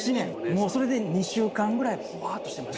もうそれで２週間ぐらいホワーッとしてました。